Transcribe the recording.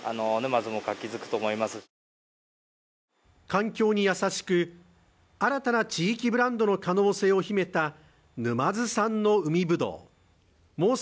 環境に優しく、新たな地域ブランドの可能性を秘めた沼津産の海ぶどう。